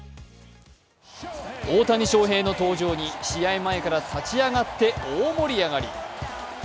大谷翔平の登場に試合前から立ち上がって大盛り上がり。